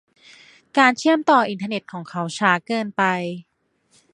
การเชื่อมต่ออินเทอร์เน็ตของเขาช้าเกินไป